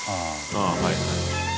ああはいはい。